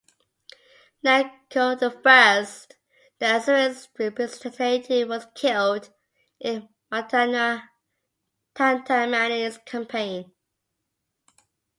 Necho I, the Assyrians' representative, was killed in Tantamani's campaign.